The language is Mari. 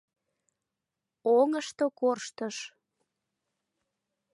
Оҥышто корштыш.